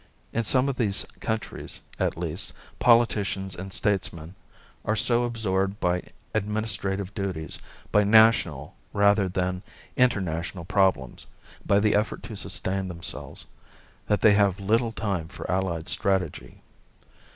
In some of these countries, at least, politicians and statesmen are so absorbed by administrative duties, by national rather than international problems, by the effort to sustain themselves, that they have little time for allied strategy.